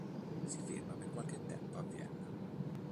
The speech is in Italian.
Si ferma per qualche tempo a Vienna.